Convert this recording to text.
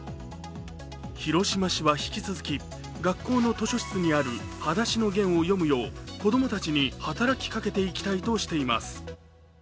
広島市は引き続き、学校の図書室にある「はだしのゲン」を読むよう、子供たちに働きかけていきたいとしています。